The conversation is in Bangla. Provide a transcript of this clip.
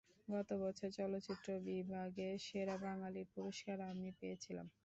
গত বছর চলচ্চিত্র বিভাগে সেরা বাঙালির পুরস্কার আমি পেয়েছিলাম।